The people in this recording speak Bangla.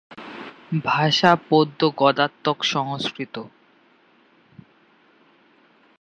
ভাষা পদ্য-গদ্যাত্মক সংস্কৃত।